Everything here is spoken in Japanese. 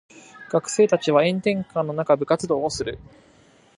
学生たちは炎天下の中部活動をする。